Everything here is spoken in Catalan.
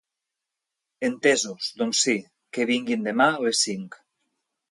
Entesos, doncs sí, que vinguin demà a les cinc.